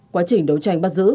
quá trình đấu tranh bắt giữ